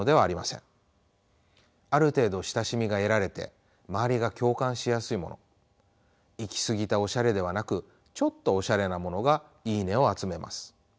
ある程度親しみが得られて周りが共感しやすいもの行き過ぎたおしゃれではなくちょっとおしゃれなものが「いいね」を集めます。